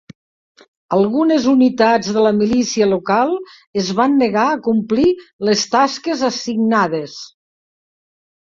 Algunes unitats de la milícia local es van negar a complir les tasques assignades.